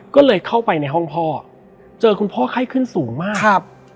ก็เลยเข้าไปในห้องพ่อเจอคุณพ่อไข้ขึ้นสูงมากครับ